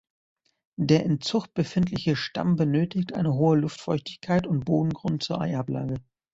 Der in Zucht befindliche Stamm benötigt eine hohe Luftfeuchtigkeit und Bodengrund zur Eiablage.